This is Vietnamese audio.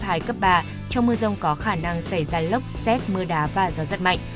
trong mưa rông có khả năng xảy ra lốc xét mưa đá và gió rất mạnh